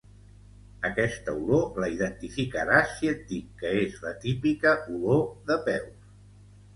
Aquesta olor la identificaràs si et dic que és la típica olor de peus